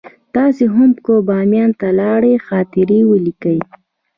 تاسې هم که باميان ته لاړئ خاطرې ولیکئ.